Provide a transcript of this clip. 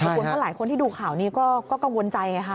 คุณเพราะหลายคนที่ดูข่าวนี้ก็กังวลใจไงค่ะ